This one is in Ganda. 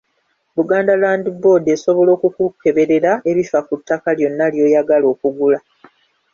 Buganda Land Board esobola okukukeberera ebifa ku ttaka lyonna ly'oyagala okugula.